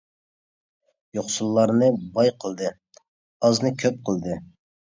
يوقسۇللارنى باي قىلدى، ئازنى كۆپ قىلدى.